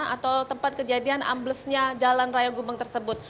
atau tempat kejadian amblesnya jalan raya gubeng tersebut